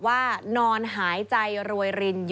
สวัสดีครับคุณผู้ชมค่ะต้อนรับเข้าที่วิทยาลัยศาสตร์